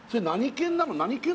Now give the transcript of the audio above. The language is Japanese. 何犬なの？